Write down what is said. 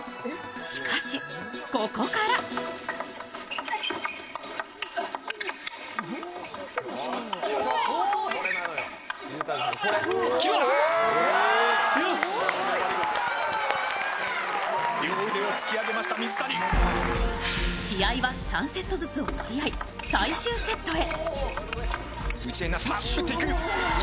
しかし、ここから試合は３セットずつを取り合い最終セットへ。